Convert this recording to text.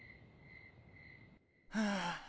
はあ